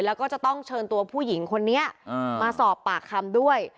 แล้วก็จะต้องเชิญตัวผู้หญิงคนนี้มาสอบปากคำด้วย